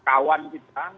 adalah kawan kita